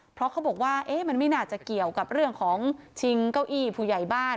เพราะเขาบอกว่ามันไม่น่าจะเกี่ยวกับเรื่องของชิงเก้าอี้ผู้ใหญ่บ้าน